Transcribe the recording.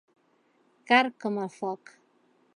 Car com el foc.